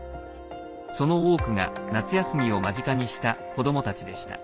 その多くが夏休みを間近にした子どもたちでした。